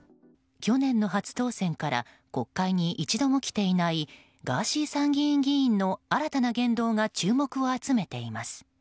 去年の初当選から国会に一度も来ていないガーシー参議院議員の新たな言動が注目を集めています。